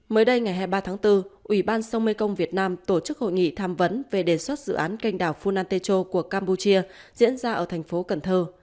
mới đây ngày ba tháng bốn ủy ban sông mekong việt nam tổ chức hội nghị tham vấn về đề xuất dự án canh đảo funantecho của campuchia diễn ra ở thành phố cần thơ